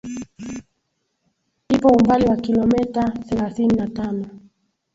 ipo umbali wa kilometa thelathini na tano